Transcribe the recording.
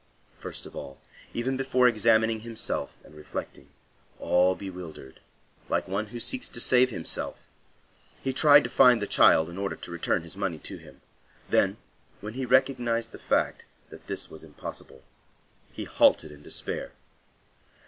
First of all, even before examining himself and reflecting, all bewildered, like one who seeks to save himself, he tried to find the child in order to return his money to him; then, when he recognized the fact that this was impossible, he halted in despair.